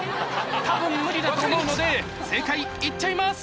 たぶん無理だと思うので正解いっちゃいます！